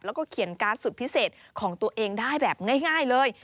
แล้วก็เขียนการ์ดสุดพิเศษของตัวเองได้แบบง่ายเลย